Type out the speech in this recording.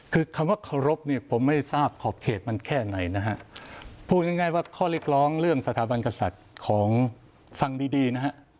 คือคำว่าเคารพเนี่ยผมไม่ทราบขอบเขตมันแค่ไหนนะฮะพูดง่ายว่าข้อเรียกร้องเรื่องสถาบันกษัตริย์ของฟังดีดีนะฮะ